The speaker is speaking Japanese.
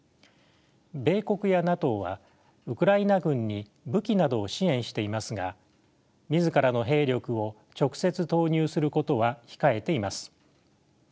米国やＮＡＴＯはウクライナ軍に武器などを支援していますが自らの兵力を直接投入することは控えています。